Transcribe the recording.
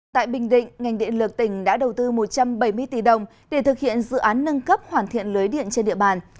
tại bình định ngành điện lực tỉnh đã đầu tư một trăm bảy mươi tỷ đồng để thực hiện dự án nâng cấp hoàn thiện lưới điện trên địa bàn